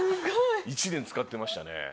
１年使ってましたね。